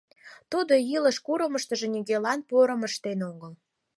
Тудо илыш курымыштыжо нигӧлан порым ыштен огыл.